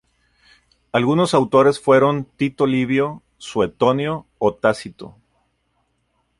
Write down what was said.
Algunos autores fueron Tito Livio, Suetonio o Tácito.